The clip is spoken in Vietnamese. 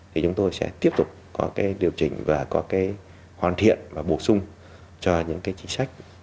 thì chúng tôi sẽ tiếp tục có cái điều chỉnh và có cái hoàn thiện và bổ sung cho những cái chính sách